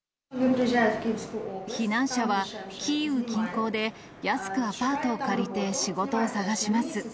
避難者はキーウ近郊で安くアパートを借りて、仕事を探します。